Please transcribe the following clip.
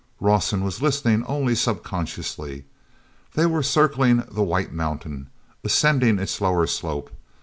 Rawson was listening only subconsciously. They were circling the white mountain, ascending its lower slope.